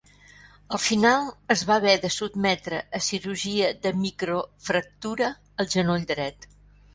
Al final es va haver de sotmetre a cirurgia de microfractura al genoll dret.